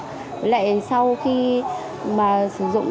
với lại sau khi mà sử dụng